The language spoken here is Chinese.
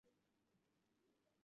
川鼩属等之数种哺乳动物。